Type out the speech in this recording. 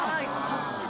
そっちだ。